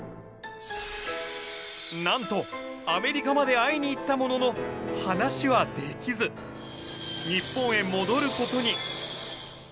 なんとアメリカまで会いに行ったものの話はできず日本へ戻る事に。